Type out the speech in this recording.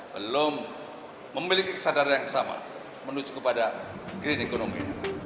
belum memiliki kesadaran yang sama menuju kepada klinik ekonomi